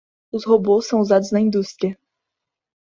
Os robôs são usados na indústria